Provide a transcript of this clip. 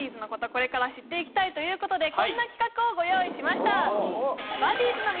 これから知っていきたいということでこんな企画をご用意しましたイエーイ！